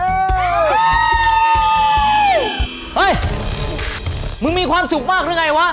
เฮ้ยมึงมีความสุขมากหรือไงวะ